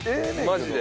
マジで。